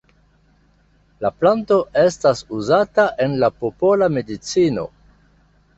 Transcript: La planto estas uzata en la popola medicino.